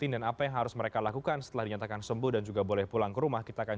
dan apa yang harus mereka lakukan setelah dinyatakan sembuh dan juga boleh pulang ke rumah kita akan